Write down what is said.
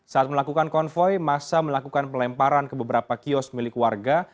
saat melakukan konvoy massa melakukan pelemparan ke beberapa kios milik warga